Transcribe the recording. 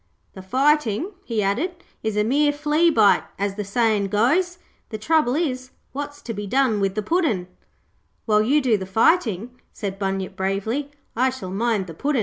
The fighting,' he added, 'is a mere flea bite, as the sayin' goes. The trouble is, what's to be done with the Puddin'?' 'While you do the fighting,' said Bunyip bravely, 'I shall mind the Puddin'.'